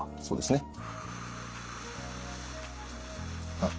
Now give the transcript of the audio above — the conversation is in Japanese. そうですね。